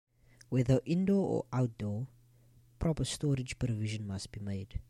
Whether indoor or outdoor, proper storage provision must be made.